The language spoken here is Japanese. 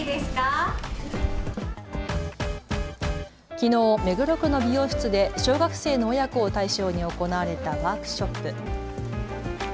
きのう、目黒区の美容室で小学生の親子を対象に行われたワークショップ。